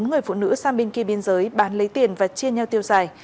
người phụ nữ sang bên kia biên giới bán lấy tiền và chia nhau tiêu giải